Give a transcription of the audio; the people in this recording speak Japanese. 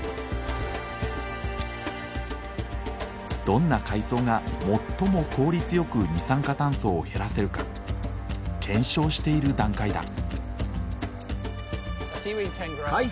どんな海藻が最も効率よく二酸化炭素を減らせるか検証している段階だ。